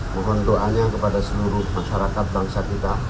mohon doanya kepada seluruh masyarakat bangsa kita